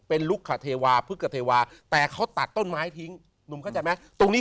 เป็นลูกขเทวาพึกเทวาแต่เขาตัดต้นไม้ทิ้งหนุ่มเข้าใจไหมตรงนี้